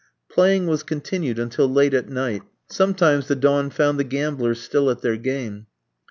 Playing was continued until late at night; sometimes the dawn found the gamblers still at their game.